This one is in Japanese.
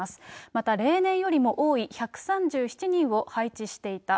また、例年よりも多い１３７人を配置していた。